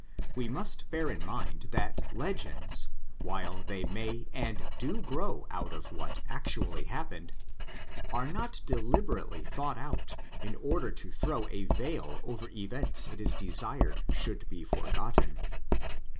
We must bear in mind that legends, while they may and do grow out of what actually happened, are not deliberately thought out in order to throw a veil over events it is desired should be forgotten.